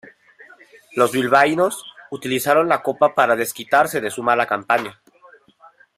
Los bilbaínos utilizaron la Copa para desquitarse de su mala campaña.